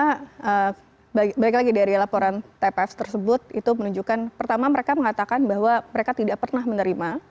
karena balik lagi dari laporan tpf tersebut itu menunjukkan pertama mereka mengatakan bahwa mereka tidak pernah menerima